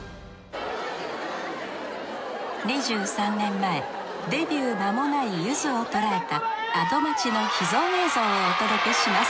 ２３年前デビューまもないゆずを捉えた「アド街」の秘蔵映像をお届けします